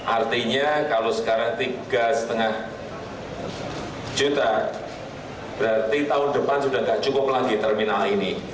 artinya kalau sekarang tiga lima juta berarti tahun depan sudah tidak cukup lagi terminal ini